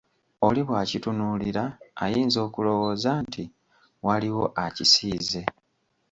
Oli bw'akitunuulira ayinza okulowooza nti, waliwo akisiize.